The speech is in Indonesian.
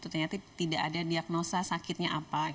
ternyata tidak ada diagnosa sakitnya apa